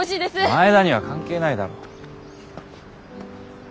前田には関係ないだろ。